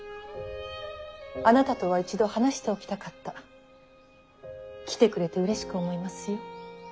あなたとは一度話しておきたかった。来てくれてうれしく思いますよ。